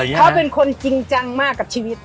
เขาเป็นคนจริงจังมากกับชีวิต